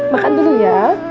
makan dulu ya